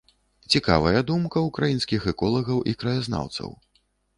Цікавая думка ўкраінскіх эколагаў і краязнаўцаў.